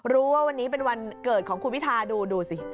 รู้ว่าวันนี้เป็นวันเกิดของคุณพิธาดูดูสิ